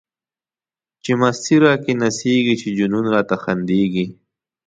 چی مستی را کی نڅیږی، چی جنون راته خندیږی